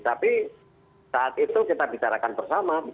tapi saat itu kita bicarakan bersama